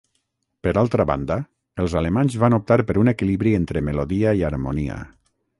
Per altra banda, els alemanys van optar per un equilibri entre melodia i harmonia.